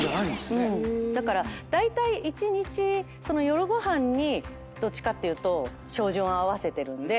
だからだいたい一日夜ご飯にどっちかっていうと照準を合わせてるんで。